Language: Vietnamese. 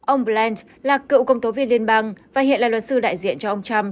ông blant là cựu công tố viên liên bang và hiện là luật sư đại diện cho ông trump